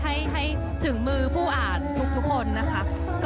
ให้ถึงมือผู้อ่านทุกคนนะคะ